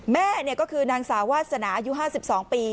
แม่ก็คือนางสาววาสนาอายุ๕๒ปี